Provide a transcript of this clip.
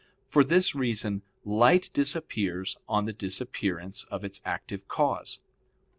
For this reason light disappears on the disappearance of its active cause.